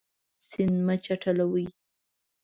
سیند مه چټلوئ.